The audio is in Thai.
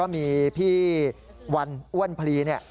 มีพี่วันอ้วนพลี